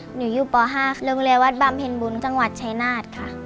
หนูอยู่ป๕โรงเรียนวัดบำเพ็ญบุญจังหวัดชายนาฏค่ะ